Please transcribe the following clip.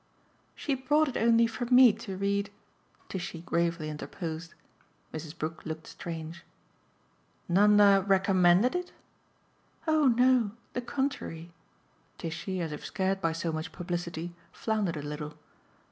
"She brought it only for ME to read," Tishy gravely interposed. Mrs. Brook looked strange. "Nanda RECOMMENDED it?" "Oh no the contrary." Tishy, as if scared by so much publicity, floundered a little.